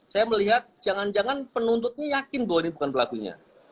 saya melihat jangan jangan penuntutnya yakin bahwa ini bukan pelakunya